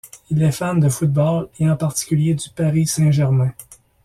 Il est fan de football et en particulier du Paris-Saint-Germain.